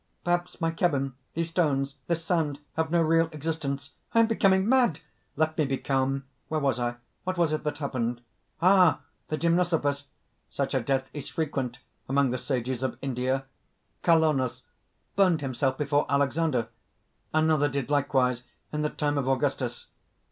Perhaps my cabin, these stones, this sand, have no real existence. I am becoming mad! Let me be calm! Where was I? What was it that happened? "Ah! the gymnosophist!... Such a death is frequent among the sages of India. Kalanos burned himself before Alexander; another did likewise in the time of Augustus.